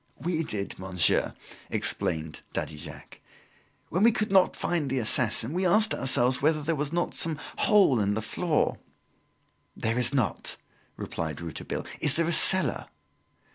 "We did, monsieur," explained Daddy Jacques. "When we could not find the assassin, we asked ourselves whether there was not some hole in the floor " "There is not," replied Rouletabille. "Is there a cellar?"